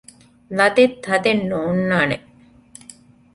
ލަދެއް ތަދެއް ނޯންނާނެ